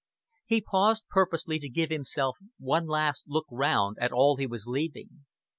He paused purposely to give himself one last look round at all he was leaving.